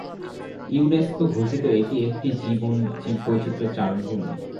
UNESCO ঘোষিত এটি একটি জীববৈচিত্র্য চারণভূমি।